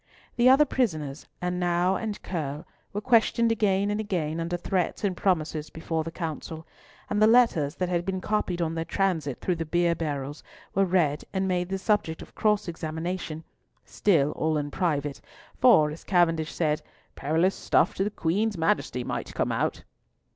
The other prisoners, and Nau and Curll, were questioned again and again under threats and promises before the Council, and the letters that had been copied on their transit through the beer barrels were read and made the subject of cross examination—still all in private, for, as Cavendish said, "perilous stuff to the Queen's Majesty might come out."